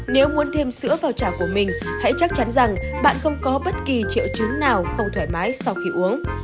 nếu muốn thêm sữa vào trà của mình hãy chắc chắn rằng bạn không có bất kỳ triệu chứng nào không thoải mái sau khi uống